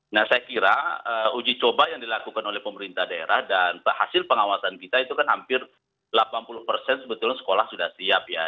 nah saya kira uji coba yang dilakukan oleh pemerintah daerah dan hasil pengawasan kita itu kan hampir delapan puluh persen sebetulnya sekolah sudah siap ya